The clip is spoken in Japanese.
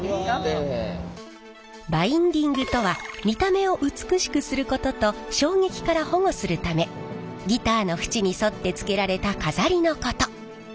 バインディングとは見た目を美しくすることと衝撃から保護するためギターの縁に沿って付けられた飾りのこと。